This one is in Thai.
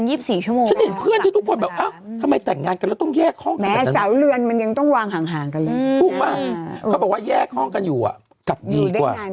อ่ะแต่ทางคนแล้วทำงานแยงดูตัวเองได้